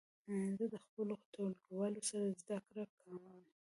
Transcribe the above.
زه د خپلو ټولګیوالو سره زده کړه کوم.